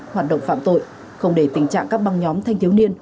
hoạt động phạm tội không để tình trạng các băng nhóm thanh thiếu niên